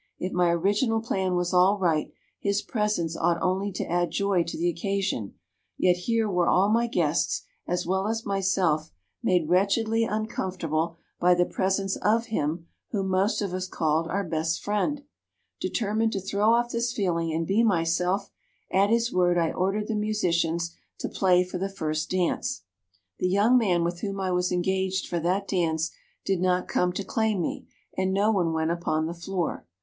If my original plan was all right, his presence ought only to add joy to the occasion; yet here were all my guests, as well as myself, made wretchedly uncomfortable by the presence of him whom most of us called our best Friend. Determined to throw off this feeling and be myself, at his word I ordered the musicians to play for the first dance. "The young man with whom I was engaged for that dance did not come to claim me, and no one went upon the floor.